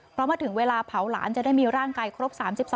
เพราะเมื่อถึงเวลาเผาหลานจะได้มีร่างกายครบ๓๒